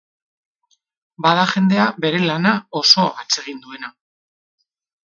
Bada jendea bere lana oso atsegin duena.